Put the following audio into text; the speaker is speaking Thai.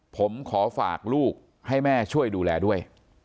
ผมขอฝากลูกให้แม่ช่วยดูแลด้วย